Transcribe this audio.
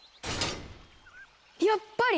やっぱり！